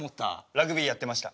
ラグビーやってました。